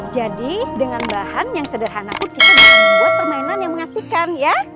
jadi dengan bahan yang sederhana kita bisa membuat permainan yang mengasihkan ya